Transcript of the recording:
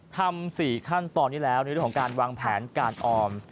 ทำ๔ขั้นตอนนี้แล้วในเรื่องของการวางแผนการออม